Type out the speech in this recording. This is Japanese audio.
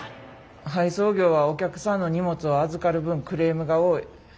配送業はお客さんの荷物を預かる分クレームが多い。